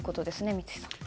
三井さん。